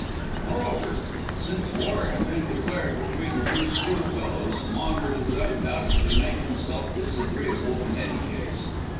Moreover, since war had been declared between the two schoolfellows, Maunders would undoubtedly make himself disagreeable in any case.